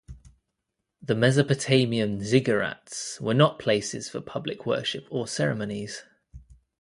The Mesopotamian ziggurats were not places for public worship or ceremonies.